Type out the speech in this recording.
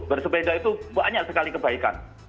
bersepeda itu banyak sekali kebaikan